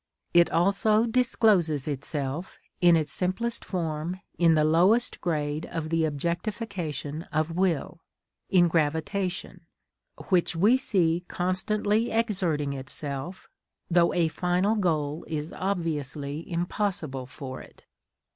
It also discloses itself in its simplest form in the lowest grade of the objectification of will, in gravitation, which we see constantly exerting itself, though a final goal is obviously impossible for it.